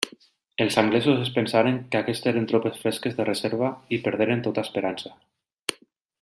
Els anglesos es pensaren que aquests eren tropes fresques de reserva i perderen tota esperança.